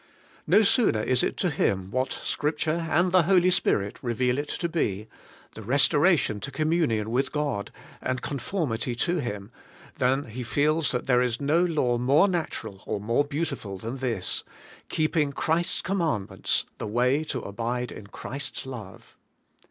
No sooner is it to him what Scripture and the Holy Spirit re veal it to be, — the restoration to communion with God and conformity to Him, — than he feels that there is no law more natural or more beautiful than this: Keeping Christ's commandments the way to abide in Christ's love.